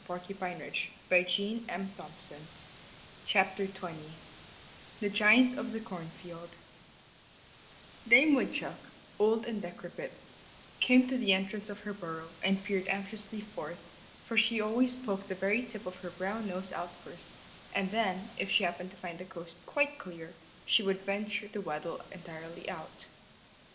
[Illustration: THE GIANT OF THE CORNFIELD] XX THE GIANT OF THE CORN FIELD Dame Woodchuck, old and decrepit, came to the entrance of her burrow and peered anxiously forth, for she always poked the very tip of her brown nose out first, and then, if she happened to find the coast quite clear, she would venture to waddle entirely out.